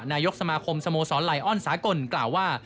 นายกสมาคมสโมสรไลออนสากลกล่าวว่า